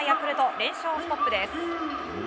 連勝ストップです。